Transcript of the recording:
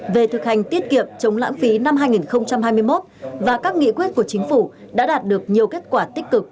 về thực hành tiết kiệm chống lãng phí năm hai nghìn hai mươi một và các nghị quyết của chính phủ đã đạt được nhiều kết quả tích cực